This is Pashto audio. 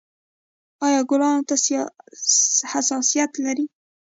ایا ګلانو ته حساسیت لرئ؟